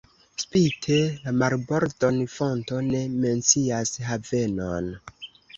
Spite la marbordon fonto ne mencias havenon.